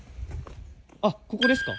あっここですか？